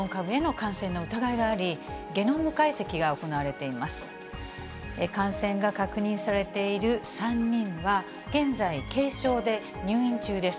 感染が確認されている３人は、現在、軽症で、入院中です。